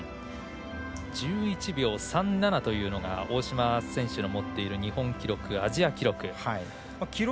１１秒３７というのが大島選手の持っている日本記録アジア記録。